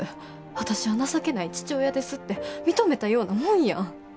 私は情けない父親ですって認めたようなもんやん。